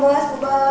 masa yang terbaik